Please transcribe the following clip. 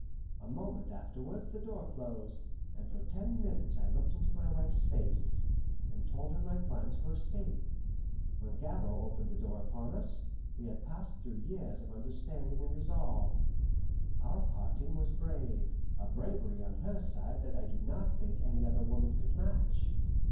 A moment afterwards the door closed, and for ten minutes I looked into my wife's face, and told her my plans for escape. When Gabord opened the door upon us, we had passed through years of understanding and resolve. Our parting was brave a bravery on her side that I do not think any other woman could match.